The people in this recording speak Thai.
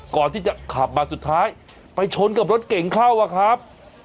ก่อนที่จะขับมาสุดท้ายไปชนกับรถเก่งเข้าอะครับ